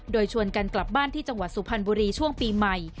โดยชวนกันกลับบ้านที่จังหวัดสุพรรณบุรีช่วงปีใหม่